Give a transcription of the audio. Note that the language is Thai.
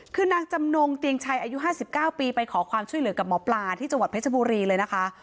คือนางจำนงเตียงชัยอายุ๕๙ปีไปขอความช่วยเหลือกับหมอปลาที่จังหวัดเพชรบุรีเลยนะคะ